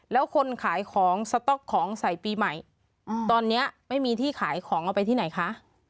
แล้วคนขายของสต๊อกของใส่ปีใหม่ตอนนี้ไม่มีที่ขายของเอาไปที่ไหนคะ